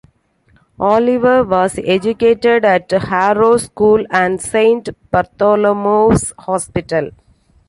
Oliver was educated at Harrow School and Saint Bartholomew's Hospital.